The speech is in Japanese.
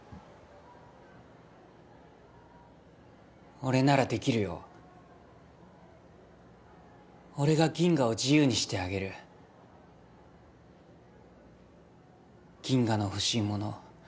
俺ならできるよ俺がギンガを自由にしてあげるギンガの欲しいもの